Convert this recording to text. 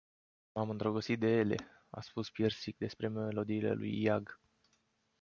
M-am îndrăgostit de ele, a spus Piersic despre melodiile lui iag.